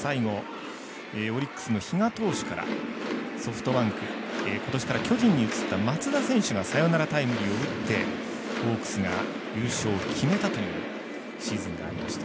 最後、オリックスの比嘉投手からソフトバンク今年から巨人に移った松田選手がサヨナラタイムリーを打ってホークスが優勝を決めたというシーズンがありました。